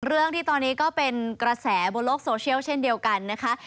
เรื่องที่ตอนนี้ก็เป็นกระแสบนโลกโซเชียลเช่นเดียวกันนะคะ